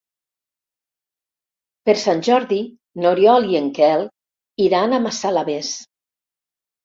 Per Sant Jordi n'Oriol i en Quel iran a Massalavés.